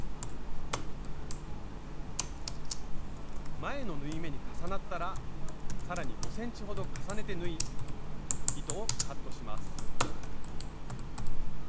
前の縫い目に重なったら更に５ｃｍほど重ねて縫い糸をカットします。